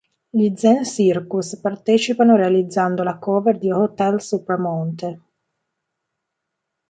Gli Zen Circus partecipano realizzando la cover di "Hotel Supramonte".